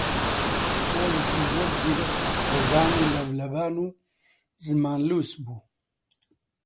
پیاوێکی زۆر زیرەک و قسەزان و لەبلەبان و زمانلووس بوو